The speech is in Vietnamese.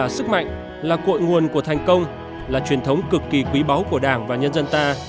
sự nguồn của thành công là truyền thống cực kỳ quý báu của đảng và nhân dân ta